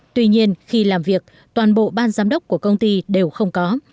tuy nhiên khi làm việc toàn bộ ban giám đốc của công ty đều không có